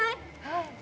はい。